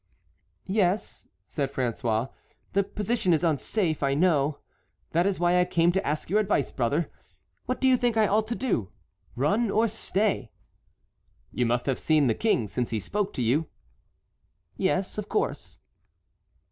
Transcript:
"Yes," said François, "the position is unsafe, I know. That is why I came to ask your advice, brother; what do you think I ought to do—run or stay?" "You must have seen the King, since he spoke to you?" "Yes, of course."